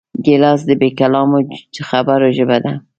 ګیلاس د بېکلامو خبرو ژبه ده.